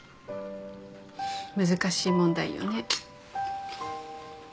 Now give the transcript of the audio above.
難しい問題よね。